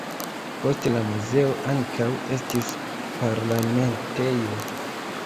Poste la muzeo ankaŭ estis parlamentejo.